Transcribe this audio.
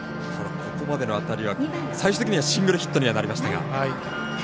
ここまでの当たりは最終的にはシングルヒットになりましたが。